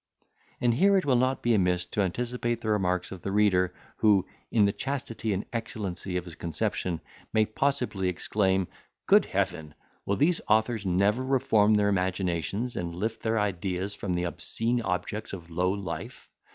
And here it will not be amiss to anticipate the remarks of the reader, who, in the chastity and excellency of his conception, may possibly exclaim, "Good Heaven! will these authors never reform their imaginations, and lift their ideas from the obscene objects of low life?